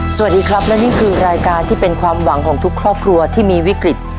สวัสดีครับและนี่คือรายการที่เป็นความหวังของทุกครอบครัวที่มีวิกฤต